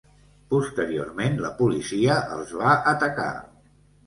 Posteriorment, la policia els va atacar.